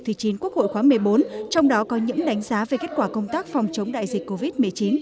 thứ chín quốc hội khóa một mươi bốn trong đó có những đánh giá về kết quả công tác phòng chống đại dịch covid một mươi chín